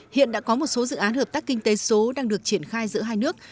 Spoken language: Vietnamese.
hiện đã có một số dự án hợp tác kinh tế số đang được triển khai giữa hai nước